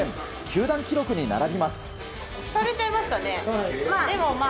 球団記録に並びます。